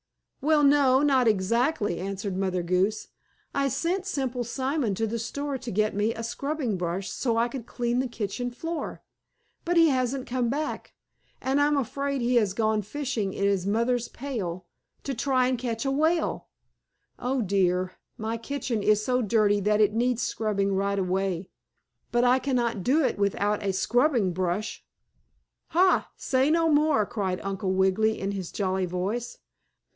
"Well, no, not exactly," answered Mother Goose. "I sent Simple Simon to the store to get me a scrubbing brush, so I could clean the kitchen floor. But he hasn't come back, and I am afraid he has gone fishing in his mother's pail, to try to catch a whale. Oh, dear! My kitchen is so dirty that it needs scrubbing right away. But I cannot do it without a scrubbing brush." "Ha! Say no more!" cried Uncle Wiggily in his jolly voice.